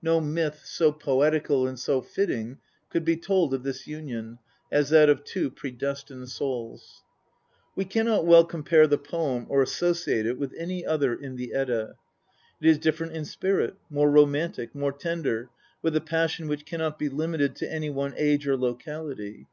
No myth so poetical and so fitting could be told of this union, as that of two predestined souls. We cannot well compare the poem or associate it with any other in the Edda. It is different in spirit, more romantic, more tender, with a passion which cannot be limited to any one age or locality.